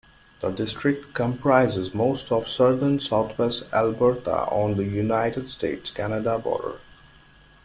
The district comprises most of southern southwest Alberta on the United States-Canada border.